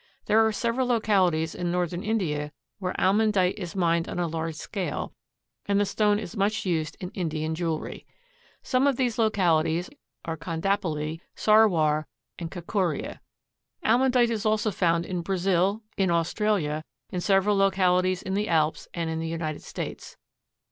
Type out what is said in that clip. There are several localities in Northern India where almandite is mined on a large scale, and the stone is much used in Indian jewelry. Some of these localities are Condapilly, Sarwar and Cacoria. Almandite is also found in Brazil, in Australia, in several localities in the Alps, and in the United States.